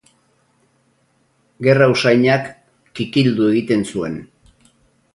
Gerra usainak kikildu egiten zuen.